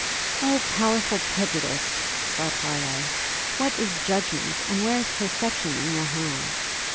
O powerful prejudice! thought Harleigh; what is judgment, and where is perception in your hands?